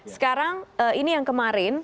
sekarang ini yang kemarin